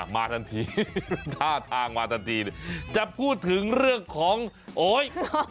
มาทันทีท่าทางมาทันทีจะพูดถึงเรื่องของโอ๊ย